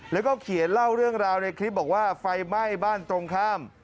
แล้วก็เขียนเล่าเรื่องราวในคลิปบอกว่าไฟไหม้บ้านตรงข้าม